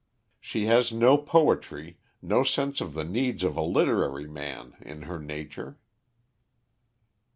She has no poetry, no sense of the needs of a literary man, in her nature."